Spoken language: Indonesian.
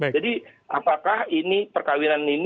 jadi apakah ini perkawinan ini